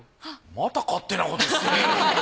また勝手なことして。